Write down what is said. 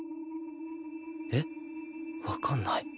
えっ？わかんない